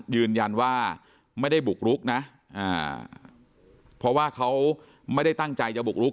ยืนยันว่าไม่ได้บุกรุกนะเพราะว่าเขาไม่ได้ตั้งใจจะบุกรุก